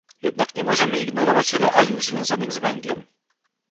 Jednak nie możemy ignorować realiów związanych z węglem